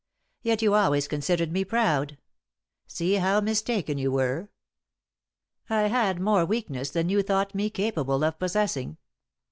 Yet you always considered me proud. See how mistaken you were! I had more weakness than you thought me capable of possessing.